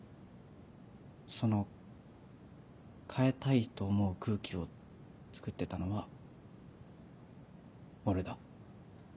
その変えたいと思う空気をつくってたのは俺だ。